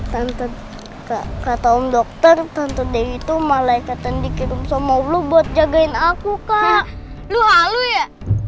tante kata om dokter tante dewi tuh malaikat yang dikirim sama lu buat jagain aku kak lu halu ya